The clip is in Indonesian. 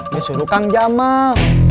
disuruh kang jamal